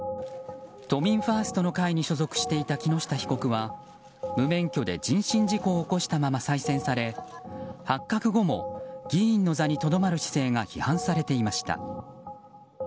都民ファーストの会に所属していた木下被告は無免許で人身事故を起こしたまま再選され発覚後も議員の座にとどまる姿勢が批判されていました。